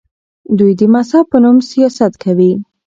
دوی د مذهب په نوم سیاست کوي.